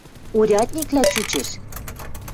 – Урядниклӓ чучеш...